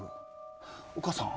お母さん。